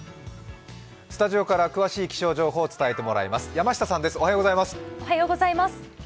スタジオから詳しい気象情報を伝えてもらいます。